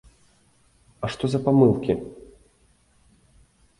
А што за памылкі?